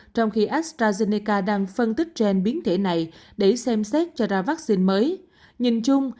trong khi astrazeneca đang phân tích gen biến thể này để xem xét cho ra vắc xin mới nhìn chung